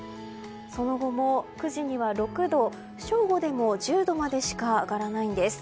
その後も９時には６度正午でも１０度までしか上がらないんです。